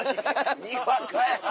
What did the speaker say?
にわかやな。